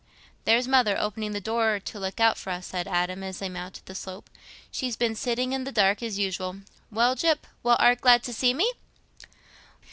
"There's Mother opening the door to look out for us," said Adam, as they mounted the slope. "She's been sitting i' the dark as usual. Well, Gyp, well, art glad to see me?"